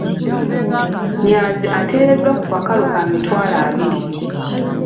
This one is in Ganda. Nnyanzi ateereddwa ku kakalu ka mitwalo abiri.